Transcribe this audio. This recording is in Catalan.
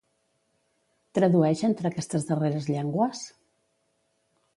Tradueix entre aquestes darreres llengües?